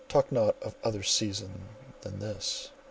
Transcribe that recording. "Talk not of other season than this!"